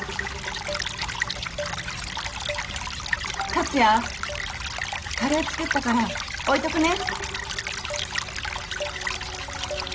克哉カレー作ったから置いとくね。